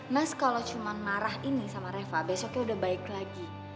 mas kalau cuma marah ini sama reva besoknya udah baik lagi